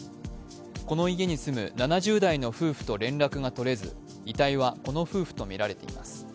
この家に住む７０代の夫婦と連絡が取れず遺体はこの夫婦とみられています。